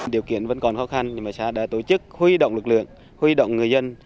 điều kiện vẫn còn khó khăn nhưng mà xã đã tổ chức huy động lực lượng huy động người dân